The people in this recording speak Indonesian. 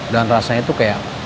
dan rasanya itu kayak